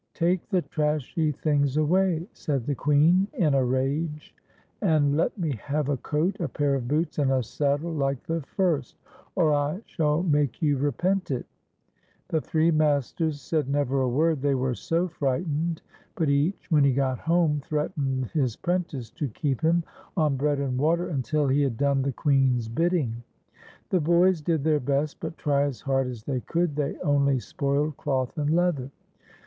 "Take the trashy things away," said the Queen, in a rage, " and let me hav£ a coat, a pair of boots, and a saddle like the first, or I shall make }'ou repent it." The three masters said never a word, they were so frightened ; but each, when he got home, threatened 132 TIPS Y 'S S/L VER BELL. his prentice to keep him on bread and water until \\i had done the Queen's bidding. The boys did their best, but try as hard as they could, they onl\' spoiled cloth and leather.